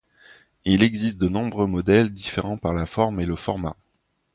Il existe de nombreux modèles différents par la forme et le format.